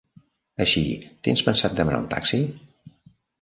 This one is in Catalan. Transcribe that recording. Així, tens pensat demanar un taxi?